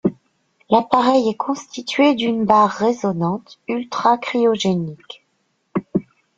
L'appareil est constitué d'une barre résonante ultracryogénique.